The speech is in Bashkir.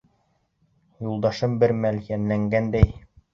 Юлдашым бер мәл, йәнләнгәндәй: